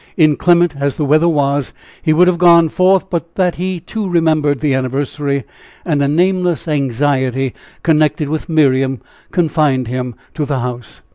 Inclement as the weather was, he would have gone forth, but that he too remembered the anniversary, and a nameless anxiety connected with Miriam confined him to the house.